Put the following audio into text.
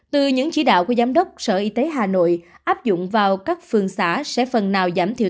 từ những chỉ đạo của giám đốc sở y tế hà nội áp dụng vào các phường xã sẽ phần nào giảm thiểu